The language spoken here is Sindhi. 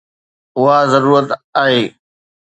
اها ضرورت آهي